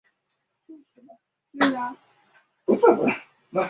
祖父黄福二。